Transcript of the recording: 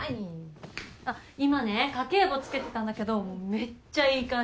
今ね家計簿つけてたんだけどめっちゃいい感じ。